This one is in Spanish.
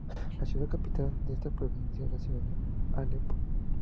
La ciudad capital de esta provincia es la ciudad de Alepo.